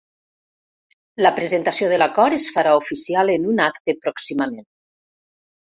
La presentació de l’acord es farà oficial en un acte pròximament.